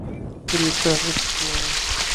Grietas reticulares.